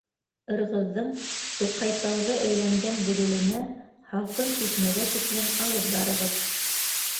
Ырғыҙҙың Суҡайтауҙы әйләнгән бөгөлөнә, һалҡын шишмәгә тиклем алып барығыҙ.